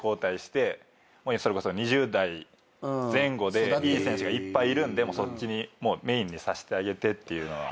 それこそ２０代前後でいい選手がいっぱいいるんでそっちをメインにさせてあげてっていう。